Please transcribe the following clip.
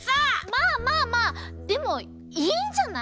まあまあまあでもいいんじゃない？